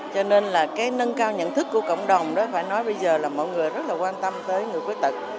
cho nên là cái nâng cao nhận thức của cộng đồng đó phải nói bây giờ là mọi người rất là quan tâm tới người khuyết tật